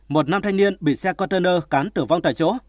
một nam thanh niên bị xe container cán tử vong tại chỗ